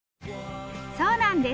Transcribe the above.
そうなんです。